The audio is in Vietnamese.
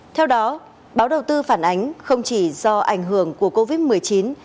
theo đó báo đầu tư phản ánh không chỉ do ảnh hưởng của covid một mươi chín